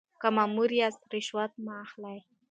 که مامور یاست رشوت مه اخلئ.